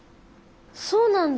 そうなんだ。